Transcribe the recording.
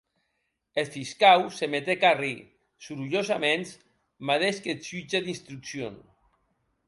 Eth fiscau se metec a arrir sorrolhosaments, madeish qu'eth jutge d'instruccion.